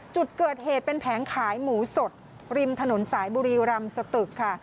จุดเกิดเหตุเป็นแผงขายหมูสดริมถนนสายบุรีรำสตึกค่ะ